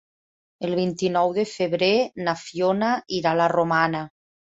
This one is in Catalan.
El vint-i-nou de febrer na Fiona irà a la Romana.